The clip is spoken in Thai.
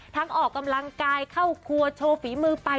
ออกกำลังกายเข้าครัวโชว์ฝีมือไป